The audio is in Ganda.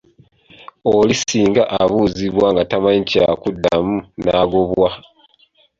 Oli singa abuuzibwa nga tamanyi kya kuddamu ng'agobwa.